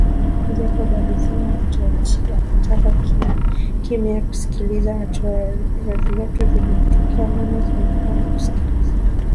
Jacob alizima tochi akakaa kimya kusikilizia hatua za viatu zilipotokea maana zilikuwa za kusikilizia